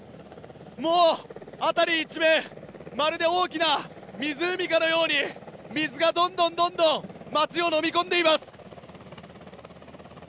もう辺り一面まるで大きな湖かのように水がどんどん街をのみ込んでいます。